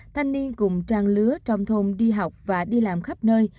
thanh niên cùng trang lứa trong thôn đi học và đi làm khắp nơi